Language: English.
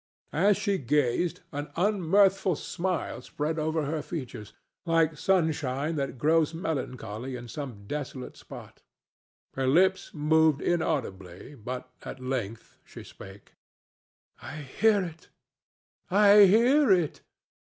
As she gazed an unmirthful smile spread over her features, like sunshine that grows melancholy in some desolate spot. Her lips moved inaudibly, but at length she spake: "I hear it, I hear it!